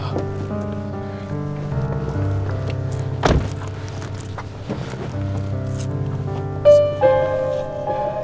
terima kasih tante